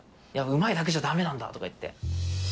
うまいだけじゃだめなんだとかいって。